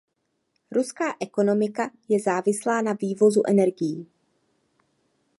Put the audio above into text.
Ruská ekonomika je závislá na vývozu energií.